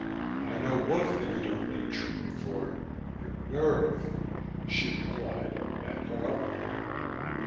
"I know one thing you don't need treatment for your nerve!" she replied and hung up on me.